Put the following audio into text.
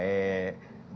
dan juga strategi yang baik